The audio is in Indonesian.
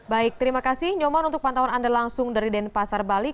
baik terima kasih nyoman untuk pantauan anda langsung dari denpasar bali